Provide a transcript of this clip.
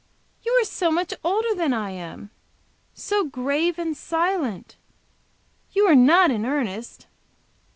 You are so much older than I am! So grave and silent! You are not in earnest?"